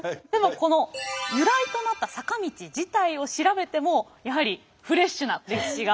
この由来となった坂道自体を調べてもやはりフレッシュな歴史が。